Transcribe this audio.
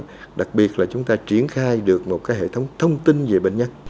và đặc biệt là chúng ta triển khai được một hệ thống thông tin về bệnh nhân